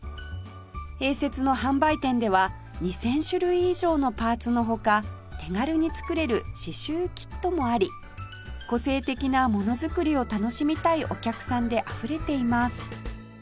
併設の販売店では２０００種類以上のパーツの他手軽に作れる刺繍キットもあり個性的な物作りを楽しみたいお客さんであふれています